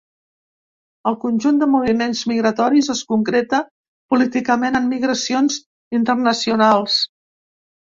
El conjunt de moviments migratoris es concreta políticament en migracions internacionals.